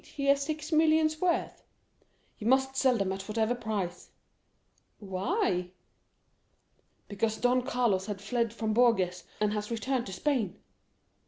He has six millions' worth." "He must sell them at whatever price." "Why?" "Because Don Carlos has fled from Bourges, and has returned to Spain."